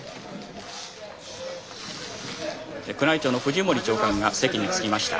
宮内庁の藤森長官が席に着きました。